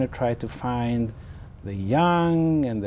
các gia đình của anh